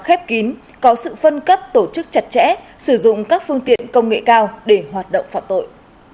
khép kín có sự phân cấp tổ chức chặt chẽ sử dụng các phương tiện công nghệ cao để hoạt động phạm tội